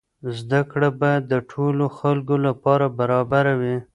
زده کړه باید د ټولو خلکو لپاره برابره وي.